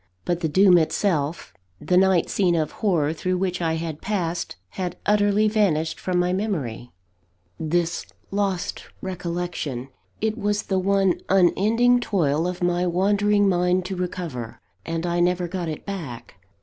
But the doom itself, the night scene of horror through which I had passed, had utterly vanished from my memory. This lost recollection, it was the one unending toil of my wandering mind to recover, and I never got it back.